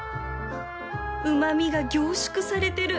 うま味が凝縮されてる